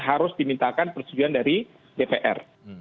harus dimintakan persetujuan dari dpr